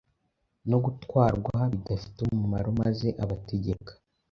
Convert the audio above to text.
no gutwarwa bidafite umumaro, maze abategeka